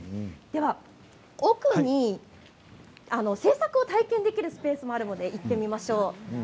では奥に製作を体験できるスペースがありますので行ってみましょう。